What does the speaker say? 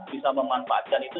bisa memanfaatkan itu